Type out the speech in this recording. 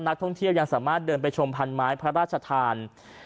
นักท่องเที่ยวยังสามารถเดินไปชมพันไม้พระราชทาน